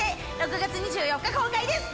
６月２４日公開です！